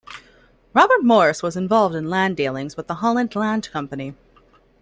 Robert Morris was involved in land dealings with the Holland Land Company.